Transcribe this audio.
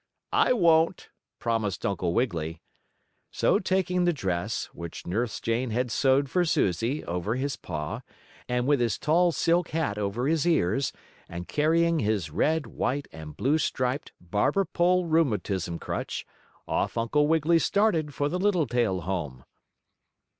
"I won't," promised Uncle Wiggily. So taking the dress, which Nurse Jane had sewed for Susie, over his paw, and with his tall silk hat over his ears, and carrying his red, white and blue striped barber pole rheumatism crutch, off Uncle Wiggily started for the Littletail home.